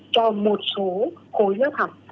cho một số khối lớp học